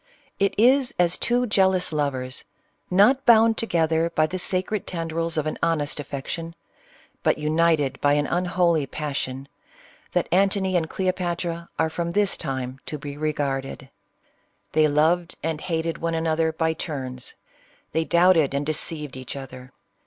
It is as two jealous layers, not bound together by the sacred tendrils of an honest affection, but united by an unholy passion, that Antony and Cleopatra are from this time to be regarded. They loved and hated one another by turns, — they doubted and deceived each other.